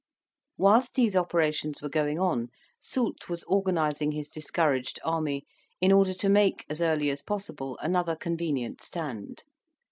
Whilst these operations were going on, Soult was organizing his discouraged army, in order to make, as early as possible, another convenient stand.